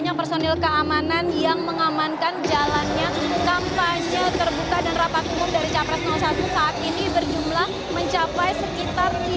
ya sufi nanti akan disampaikan oleh jokowi dan juga ma'ruf amin